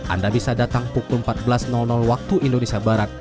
anda bisa datang pukul empat belas waktu indonesia barat